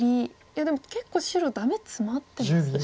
いやでも結構白ダメツマってますね。